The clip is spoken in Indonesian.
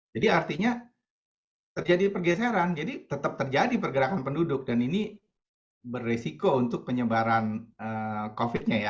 jadi artinya terjadi pergeseran jadi tetap terjadi pergerakan penduduk dan ini beresiko untuk penyebaran covid sembilan belas